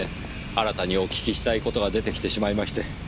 新たにお聞きしたい事が出てきてしまいまして。